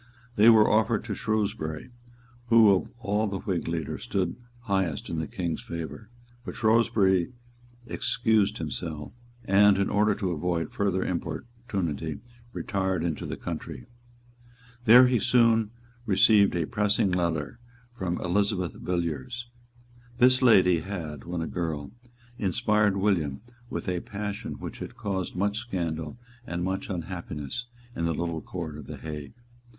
They were offered to Shrewsbury, who of all the Whig leaders stood highest in the King's favour; but Shrewsbury excused himself, and, in order to avoid further importunity, retired into the country. There he soon received a pressing letter from Elizabeth Villiers. This lady had, when a girl, inspired William with a passion which had caused much scandal and much unhappiness in the little Court of the Hague.